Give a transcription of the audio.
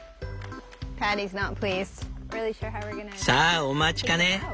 さあお待ちかね。